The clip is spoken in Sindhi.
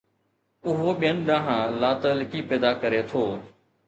اهو ٻين ڏانهن لاتعلقي پيدا ڪري ٿو.